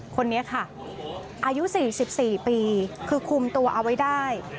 คนนี้ค่ะอายุ๔๔ปีคือคุมตัวเอาไว้ได้